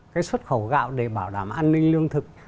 cái xuất khẩu gạo để bảo đảm an ninh lương thực